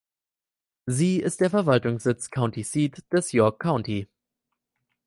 Sie ist der Verwaltungssitz (County Seat) des York County.